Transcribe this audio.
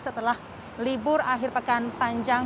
setelah libur akhir pekan panjang